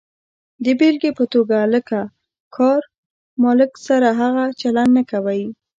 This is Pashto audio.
د بېلګې په توګه، له کار مالک سره هغه چلند نه کوئ.